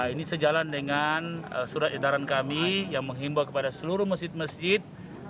ini sejalan dengan surat edaran kami yang menghimbau kepada seluruh masjid masjid